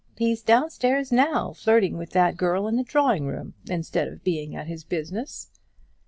He's downstairs now, flirting with that girl in the drawing room, instead of being at his business."